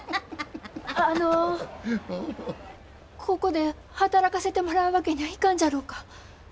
ここで働かせてもらうわけにゃあいかんじゃろうか。